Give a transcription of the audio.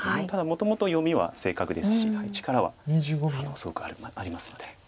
ただもともと読みは正確ですし力はすごくありますので。